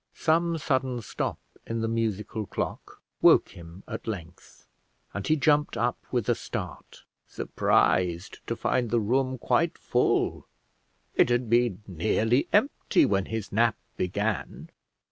Some sudden stop in the musical clock woke him at length, and he jumped up with a start, surprised to find the room quite full: it had been nearly empty when his nap began.